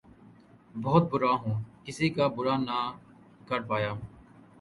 بہت بُرا ہُوں! کسی کا بُرا نہ کر پایا